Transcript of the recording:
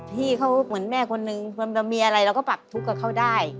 พี่เขาเหมือนแม่คนนึงเรามีอะไรเราก็ปรับทุกข์กับเขาได้